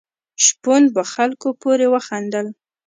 شپون په خلکو پورې وخندل.